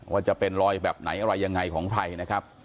ว่าจะเป็นรอยแบบไหนอะไรยังไงของใครนะครับ